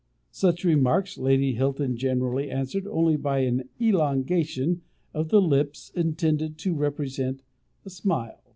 Such remarks Lady Hilton generally answered only by an elongation of the lips intended to represent a smile.